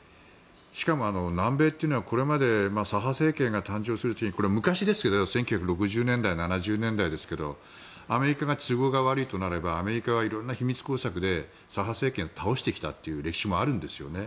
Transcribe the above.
しかも南米というのはこれまで左派政権が誕生する時これ、昔ですけど１９６０年代、７０年代ですけどアメリカが都合が悪いとなればアメリカは色んな秘密工作で左派政権を倒してきたという歴史もあるんですよね。